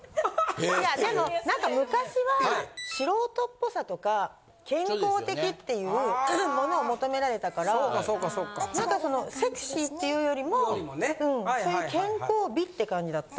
いやでも昔は素人っぽさとか健康的っていうものを求められたからなんかそのセクシーっていうよりもそういう健康美って感じだった。